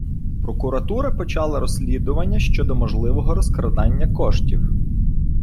Прокуратура почала розслідування щодо можливого розкрадання коштів.